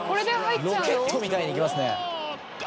ロケットみたいに行きますね。